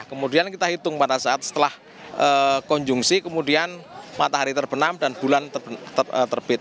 kemudian kita hitung pada saat setelah konjungsi kemudian matahari terbenam dan bulan terbit